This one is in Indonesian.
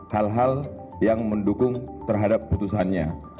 hal hal yang mendukung terhadap putusannya